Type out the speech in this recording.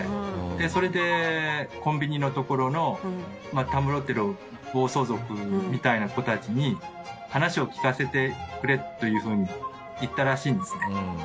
それでコンビニのところのたむろってる暴走族みたいな子たちに話を聞かせてくれというふうに言ったらしいんですね。